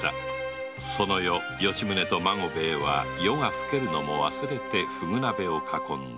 その夜吉宗と孫兵衛は夜が更けるのも忘れてフグ鍋を囲んだ